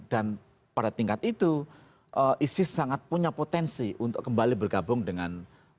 dan pada tingkat itu isis sangat punya potensi untuk kembali bergabung dengan